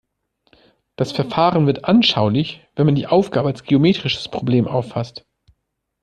Das Verfahren wird anschaulich, wenn man die Aufgabe als geometrisches Problem auffasst.